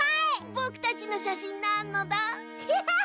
ぼくたちのしゃしんなのだ。